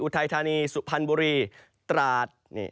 อุดรทานีสุพันธ์บุรีตราส